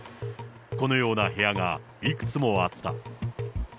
このような部屋がいくつもあった。